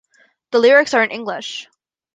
The lyrics are in English.